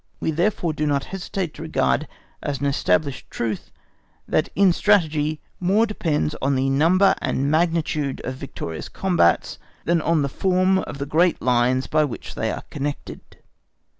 We therefore do not hesitate to regard as an established truth, that in Strategy more depends on the number and the magnitude of the victorious combats, than on the form of the great lines by which they are connected.